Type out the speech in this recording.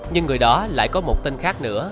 nhưng người đó lại có một tên khác nữa